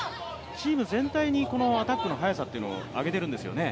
チーム全体にアタックの速さというのを上げているんですよね？